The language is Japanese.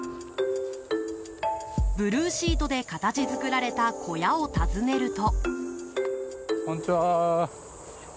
ブルーシートで形作られた小屋を訪ねると。